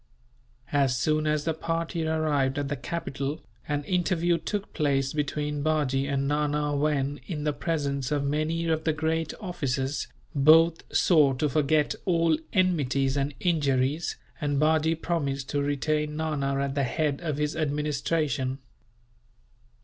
As soon as the party arrived at the capital, an interview took place between Bajee and Nana when, in the presence of many of the great officers, both swore to forget all enmities and injuries, and Bajee promised to retain Nana at the head of his administration.